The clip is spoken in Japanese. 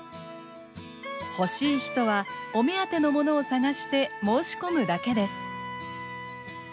欲しい人はお目当てのものを探して申し込むだけです。